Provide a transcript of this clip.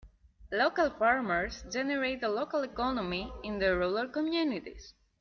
Local farmers generate a local economy in their rural communities.